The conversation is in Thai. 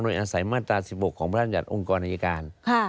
โดยอาศัยมาตรา๑๖ของพระอาจารย์องค์กรอายการ